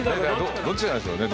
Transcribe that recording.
どっちなんでしょうね？